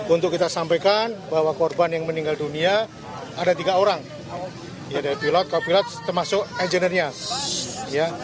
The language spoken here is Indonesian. untuk kita sampaikan bahwa korban yang meninggal dunia ada tiga orang pilot pilot termasuk engineernya